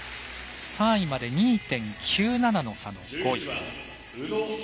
３位まで２．９７の差の５位。